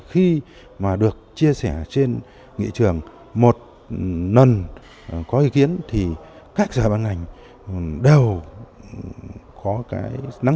khi mà được chia sẻ trên nghị trường một lần có ý kiến thì các sở ban ngành đều có cái nắm